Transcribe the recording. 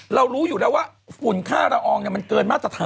รู้อยู่แล้วว่าฝุ่นค่าละอองมันเกินมาตรฐาน